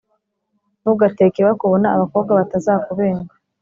ntugateke bakubona; abakobwa batazakubenga.